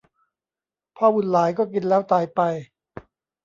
พ่อบุญหลายก็กินแล้วตายไป